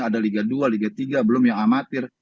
ada liga dua liga tiga belum yang amatir